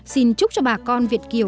xin chúc cho bà con việt kiều